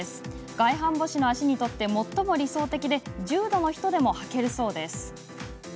外反母趾の足にとって最も理想的で重度の人でも履けるそうです。